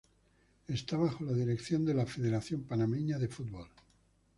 Está bajo la dirección de la Federación Panameña de Fútbol.